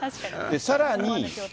さらに。